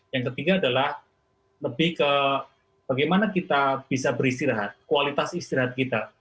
yang ketiga adalah lebih ke bagaimana kita bisa beristirahat kualitas istirahat kita